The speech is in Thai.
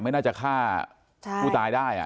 ไม่น่าจะฆ่าผู้ตายได้อ่ะใช่ไหม